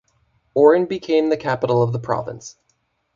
Oran became the capital of the province.